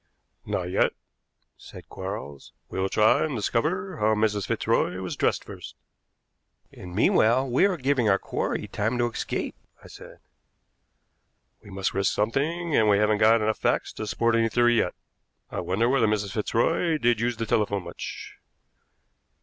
"Not yet," said Quarles. "We will try and discover how Mrs. Fitzroy was dressed first." "And meanwhile we are giving our quarry time to escape," I said. "We must risk something, and we haven't got enough facts to support any theory yet. I wonder whether Mrs. Fitzroy did use the telephone much?"